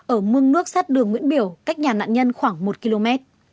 ở mương nước sát đường nguyễn biểu cách nhà nạn nhân khoảng một km